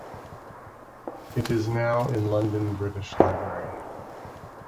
It is now in London British Library.